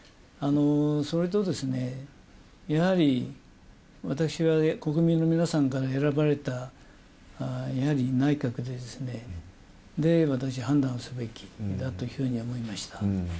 それと、やはり私は国民の皆さんから選ばれたやはり内閣で、私、判断すべきだというふうに思いました。